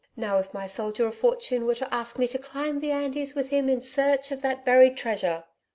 Now, if my Soldier of Fortune were to ask me to climb the Andes with him in search of that buried treasure!